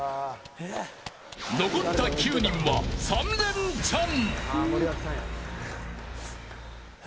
残った９人は３レンチャン。